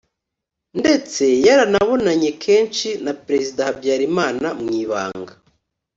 ndetse yaranabonanye kenshi na perezida habyarimana mu ibanga.